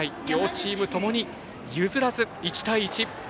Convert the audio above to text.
両チームともに譲らず１対１。